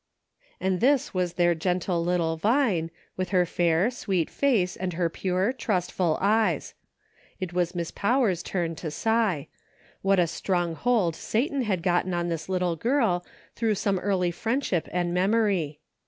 And this was their gentle little Vine, with her fair, sweet face and her pure, trustful eyes. It was Miss Powers' turn to sigh ; what a strong hold Satan had gotten on this little girl, through some early friendship and memory.